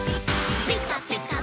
「ピカピカブ！」